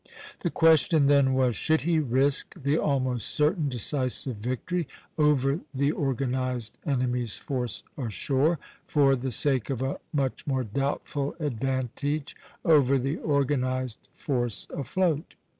The question then was, should he risk the almost certain decisive victory over the organized enemy's force ashore, for the sake of a much more doubtful advantage over the organized force afloat?